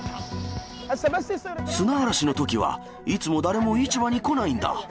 砂嵐のときは、いつも誰も市場に来ないんだ。